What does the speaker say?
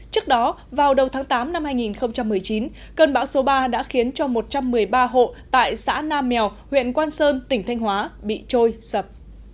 trước đó vào đầu tháng tám năm hai nghìn một mươi chín cơn bão số ba đã khiến cho một trăm một mươi ba hộ tại xã nam mèo huyện quang sơn tỉnh thanh hóa bị trôi sập